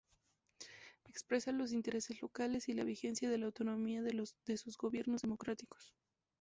Expresa los intereses locales y la vigencia de la autonomía de sus gobiernos democráticos.